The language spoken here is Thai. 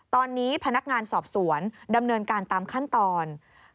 ตอนนี้พนักงานสอบสวนดำเนินการตามขั้นตอน